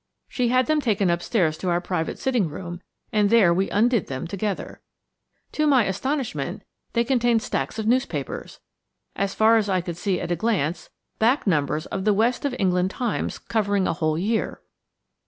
She had them taken upstairs to our private sitting room, and there we undid them together. To my astonishment they contained stacks of newspapers: as far as I could see at a glance, back numbers of the West of England Times covering a whole year.